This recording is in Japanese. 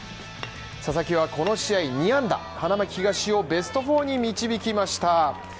佐々木はこの試合２安打、花巻東をベスト４に導きました。